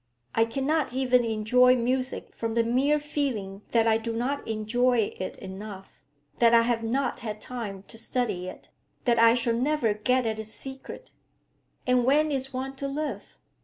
I cannot even enjoy music from the mere feeling that I do not enjoy it enough, that I have not had time to study it, that I shall never get at its secret.... And when is one to live?